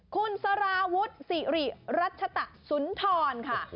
คุณสาราวุฒิสิริรัชตะสุนทรค่ะ